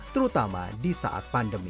terutama di saat pandemi